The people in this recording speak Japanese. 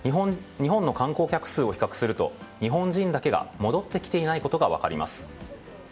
日本の観光客数を比較すると日本人だけが戻ってきてないことが分かります。